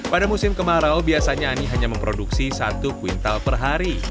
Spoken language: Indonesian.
pada musim kemarau biasanya ani hanya memproduksi satu kuintal per hari